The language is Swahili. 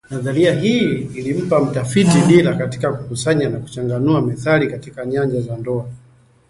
Nadharia hii ilimpa mtafiti dira katika kukusanya na kuchanganua methali katika nyanja za ndoa